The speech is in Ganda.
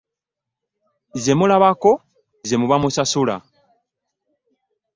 Ze mulabako ze muba musasula.